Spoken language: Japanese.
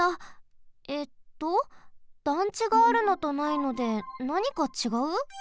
えっと団地があるのとないのでなにかちがう？